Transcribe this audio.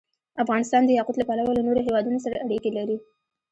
افغانستان د یاقوت له پلوه له نورو هېوادونو سره اړیکې لري.